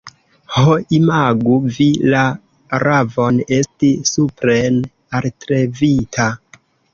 Ho, imagu vi la ravon esti supren altlevita!